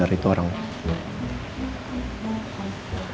dari foto sih orangnya sama